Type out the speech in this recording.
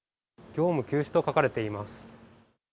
業務休止と書かれています。